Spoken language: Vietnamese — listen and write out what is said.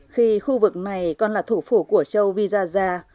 khi khu vực này còn là thủ phủ của châu visaya